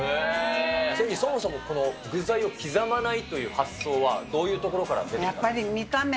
仙人、そもそもこの具材を刻まないという発想はどういうところから出てやっぱり見た目。